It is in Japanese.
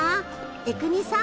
江國さん